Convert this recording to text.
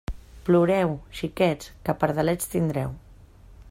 Ploreu, xiquets, que pardalets tindreu.